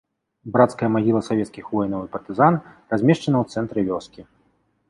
Брацкая магіла савецкіх воінаў і партызан размешчана ў цэнтры вёскі.